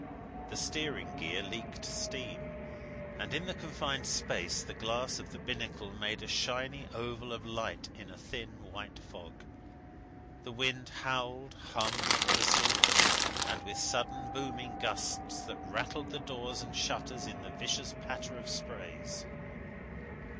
The steering gear leaked steam, and in the confined space the glass of the binnacle made a shiny oval of light in a thin white fog. The wind howled, hummed, whistled, with sudden booming gusts that rattled the doors and shutters in the vicious patter of sprays.